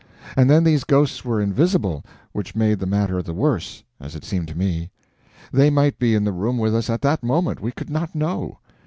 And then these ghosts were invisible, which made the matter the worse, as it seemed to me. They might be in the room with us at that moment—we could not know.